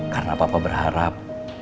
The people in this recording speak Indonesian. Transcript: karena papa berharap